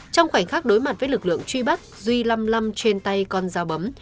trong khoảnh khắc đối mặt với lực lượng truy bắt duy lăm lăm trên tay con dao bấm